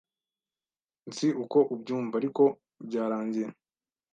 Nzi uko ubyumva, ariko byarangiye.